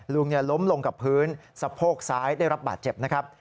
ลุงล้มลงกับพื้นสะโพกซ้ายได้รับบาดเจ็บนะครับ